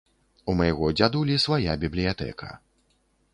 У майго дзядулі свая бібліятэка.